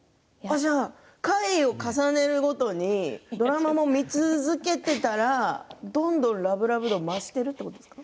回を重ねるごとにドラマも見続けていったらどんとラブラブ度が増しているということですか？